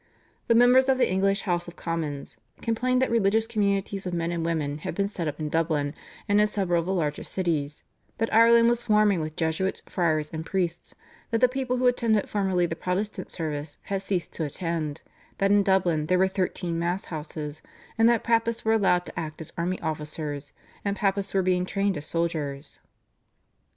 The members of the English House of Commons complained that religious communities of men and women had been set up in Dublin and in several of the larger cities, that Ireland was swarming with Jesuits, friars, and priests, that the people who attended formerly the Protestant service had ceased to attend, that in Dublin there were thirteen mass houses, and that Papists were allowed to act as army officers, and Papists were being trained as soldiers."